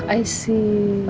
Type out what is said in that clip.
ah i see